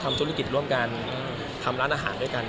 ห่างกันก่อนซึ่ง